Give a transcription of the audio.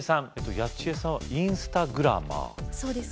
八千恵さんはインスタグラマーそうです